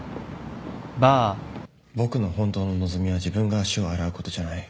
僕の本当の望みは自分が足を洗うことじゃない。